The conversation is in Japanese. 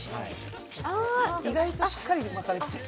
意外としっかり巻かれてる。